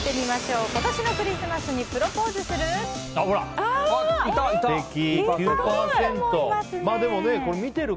今年のクリスマスにプロポーズする？